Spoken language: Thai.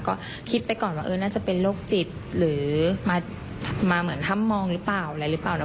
ก็คิดไปก่อนว่าเออน่าจะเป็นโรคจิตหรือมาเหมือนถ้ำมองหรือเปล่าอะไรหรือเปล่านะ